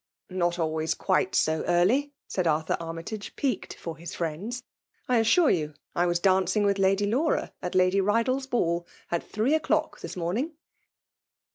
" Not always quite so early !" said Arthur Arm]rtage> piqued for his friends. '' I assure you I was dancing with Lady Laura at Lady. Bydal's ball, at three o'clock this morning.''